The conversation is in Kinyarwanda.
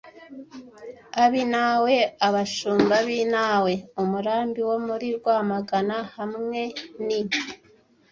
Ab’i Nawe: Abashumba b’i Nawe (umurambi wo muri Rwamagana, hamwe n’i